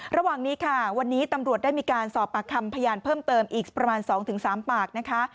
ระหว่างนี้ค่ะวันนี้ตำรวจได้มีการสอบปากคำพยานเพิ่มเติมอีกประมาณ๒๓ปากนะคะ